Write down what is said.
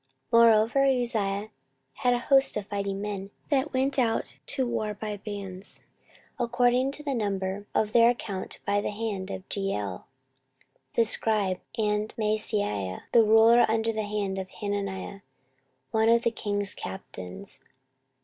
14:026:011 Moreover Uzziah had an host of fighting men, that went out to war by bands, according to the number of their account by the hand of Jeiel the scribe and Maaseiah the ruler, under the hand of Hananiah, one of the king's captains.